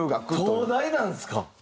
東大なんですか？